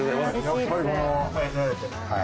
はい。